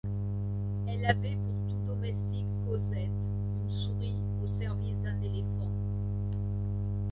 Elle avait pour tout domestique Cosette ; une souris au service d’un éléphant.